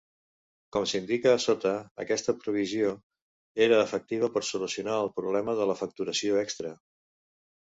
Com s'indica a sota, aquesta provisió era efectiva per "solucionar" el problema de la facturació extra.